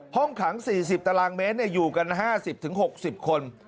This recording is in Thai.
ห้องขัง๔๐ตารางเมตรอยู่กัน๕๐๖๐คน